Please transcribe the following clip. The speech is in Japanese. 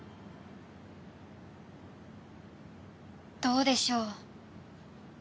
どうでしょう？